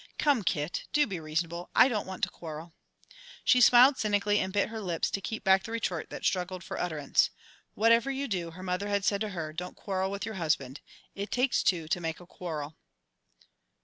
"Come, Kit, do be reasonable. I don't want to quarrel." She smiled cynically and bit her lips to keep back the retort that struggled for utterance. "Whatever you do," her mother had said to her, "don't quarrel with your husband. It takes two to make a quarrel."